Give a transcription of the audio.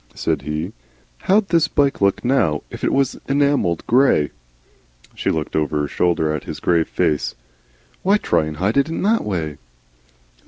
said he. "How'd this bike look, now, if it was enamelled grey?" She looked over her shoulder at his grave face. "Why try and hide it in that way?"